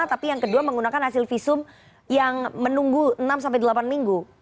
tapi yang kedua menggunakan hasil visum yang menunggu enam sampai delapan minggu